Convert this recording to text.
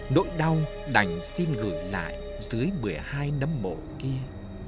đỗi đau đành xin gửi lại dưới một mươi hai năm bộ kia